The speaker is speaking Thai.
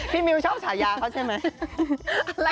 มิวชอบฉายาเขาใช่ไหม